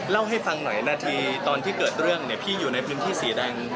เล่าให้ฟังหน่อยนาทีตอนที่เกิดเรื่องพี่อยู่ในพื้นที่สีแดง